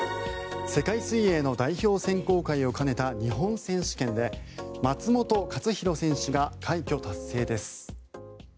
世界水泳の代表選考会を兼ねた日本選手権で松元克央選手が快挙達成です。